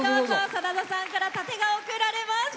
真田さんから盾が贈られます。